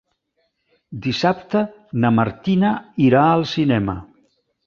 Dissabte na Martina irà al cinema.